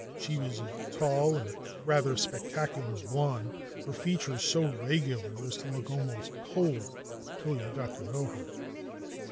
She was a tall and rather spectacular blonde, her features so regular as to look almost cold till you got to know her.